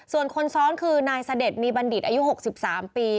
ส่วนคนซ้อนคือนายเสด็จมีบัณฑิตอายุ๖๓ปี